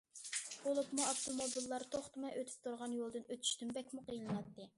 بولۇپمۇ ئاپتوموبىللار توختىماي ئۆتۈپ تۇرغان يولدىن ئۆتۈشتىن بەكمۇ قىينىلاتتى.